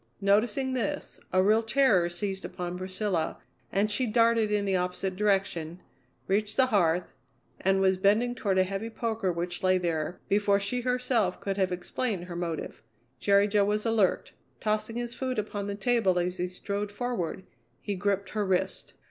Noticing this, a real terror seized upon Priscilla and she darted in the opposite direction, reached the hearth, and was bending toward a heavy poker which lay there, before she herself could have explained her motive. Jerry Jo was alert. Tossing his food upon the table as he strode forward, he gripped her wrist.